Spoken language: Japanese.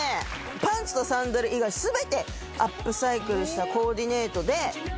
パンツとサンダル以外すべてアップサイクルしたコーディネートで。